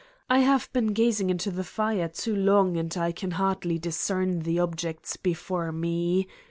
I have been gazing into the fire too long and I can hardly discern the objects before me.